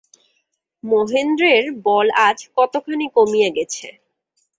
মহেন্দ্রের বল আজ কতখানি কমিয়া গেছে।